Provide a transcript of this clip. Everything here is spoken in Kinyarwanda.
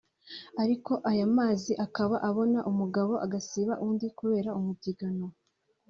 ariko aya mazi akaba abona umugabo agasiba undi kubera umubyigano